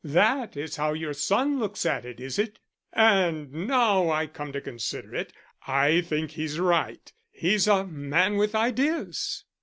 "That is how your son looks at it, is it? And now I come to consider it, I think he's right. He's a man with ideas."